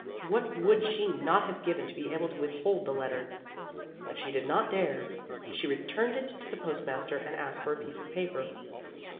What would she not have given to be able to withhold the letter! But she did not dare. She returned it to the postmaster and asked for a piece of paper.